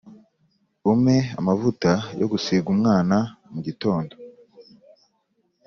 umpe amavuta yo gusiga umwana ngo mugitondo